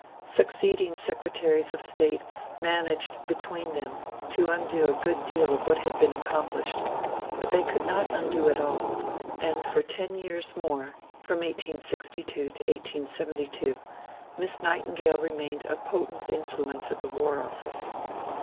Succeeding Secretaries of State managed between them to undo a good deal of what had been accomplished, but they could not undo it all; and for ten years more (1862 72) Miss Nightingale remained a potent influence at the War Office.